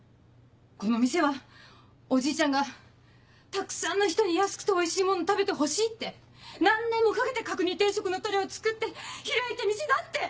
この店はおじいちゃんがたくさんの人に安くておいしいもの食べてほしいって何年もかけて角煮定食のタレを作って開いた店だって！